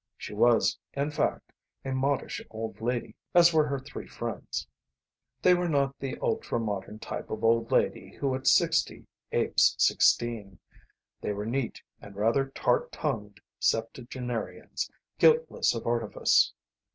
She was, in fact, a modish old lady as were her three friends. They were not the ultra modern type of old lady who at sixty apes sixteen. They were neat and rather tart tongued septuagenarians, guiltless of artifice.